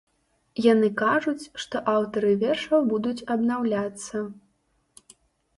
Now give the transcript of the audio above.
Яны кажуць, што аўтары вершаў будуць абнаўляцца.